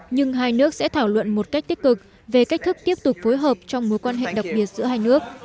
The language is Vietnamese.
nhưng hai nước sẽ thảo luận một cách tích cực về cách thức tiếp tục phối hợp trong mối quan hệ đặc biệt giữa hai nước